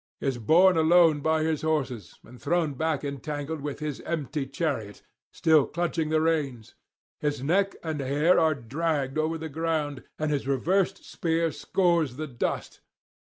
is borne along by his horses, and thrown back entangled with his empty chariot, still clutching the reins; his neck and hair are dragged over the ground, and his reversed spear scores the dust.